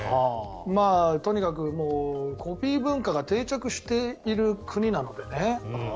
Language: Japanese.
とにかく、コピー文化が定着している国なのでね。